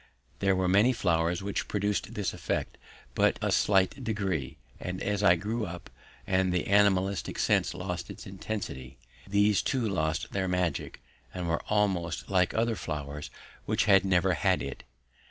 There were many flowers which produced this effect in but a slight degree, and as I grew up and the animistic sense lost its intensity, these too lost their magic and were almost like other flowers which had never had it.